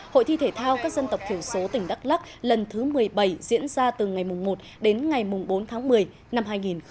hội thi thể thao các dân tộc thiểu số tỉnh đắk lắc lần thứ một mươi bảy diễn ra từ ngày một đến ngày bốn tháng một mươi năm hai nghìn một mươi chín